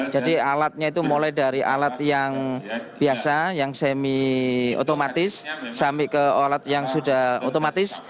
jadi alatnya itu mulai dari alat yang biasa yang semi otomatis sampai ke alat yang sudah otomatis